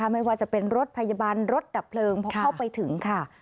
ไม่ว่าจะเป็นรถพยาบาลรถดับเพลิงพอเข้าไปถึงค่ะ